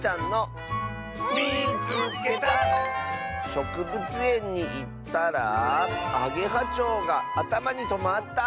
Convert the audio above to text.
「しょくぶつえんにいったらあげはちょうがあたまにとまった！」。